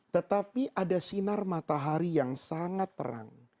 tetapi ada sinar matahari yang sangat terang